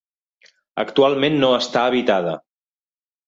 Actualment no està habitada.